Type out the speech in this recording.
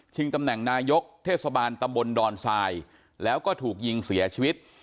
ตำแหน่งนายกเทศบาลตำบลดอนทรายแล้วก็ถูกยิงเสียชีวิต